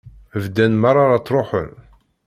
Bdan merra la ttruḥen.